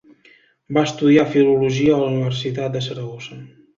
Va estudiar filologia a la Universitat de Saragossa.